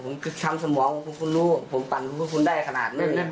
ผมคือทำสมองผมคุณรู้ผมปั่นพวกคุณได้ขนาดนั้น